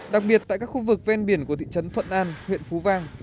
đặc biệt tại các khu vực ven biển của thị trấn thuận an huyện phú vang